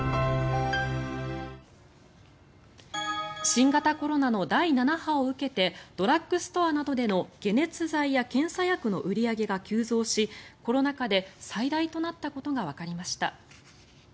新型コロナの第７波を受けてドラッグストアなどでの解熱剤や検査薬の売り上げが急増しコロナ禍で最大となったことがわかりました。